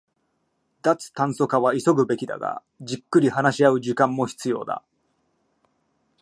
脱炭素化は急ぐべきだが、じっくり話し合う時間も必要だ